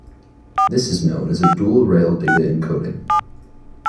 This is known as a dual-rail data encoding.